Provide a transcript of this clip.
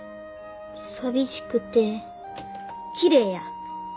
寂しくてきれいや。